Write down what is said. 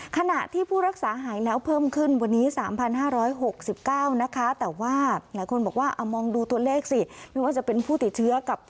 ขณะที่ผู้รักษาหายแล้วเพิ่มขึ้นวันนี้สามพันห้าร้อยหกสิบเก้านะคะ